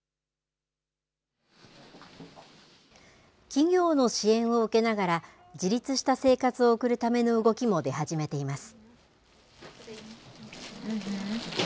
企業の支援を受けながら、自立した生活を送るための動きも出始めています。